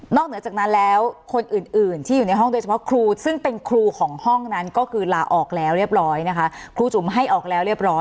นอกเหนือจากนั้นแล้วคนอื่นที่อยู่ในห้องโดยเฉพาะครูซึ่งเป็นครูของห้องนั้นก็คือลาออกแล้วเรียบร้อยนะคะ